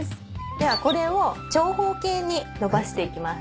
ではこれを長方形にのばしていきます。